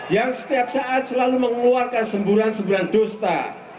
yang setiap saat selalu mengeluarkan semburan semburan dusta